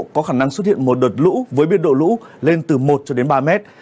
có khả năng xuất hiện một đợt lũ với biên độ lũ lên từ một cho đến ba mét